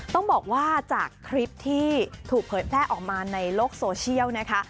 ต้องบอกว่าจากคลิปที่ถูกเผยแพร่ออกมาในโลกโซเชียลนะคะ